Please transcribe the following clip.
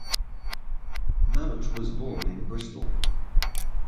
Mabbutt was born in Bristol.